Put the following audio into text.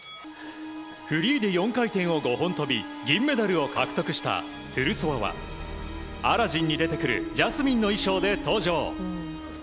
フリーで４回転を５本跳び銀メダルを獲得したトゥルソワは「アラジン」に出てくるジャスミンの衣装で登場。